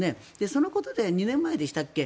そのことで２年前でしたっけ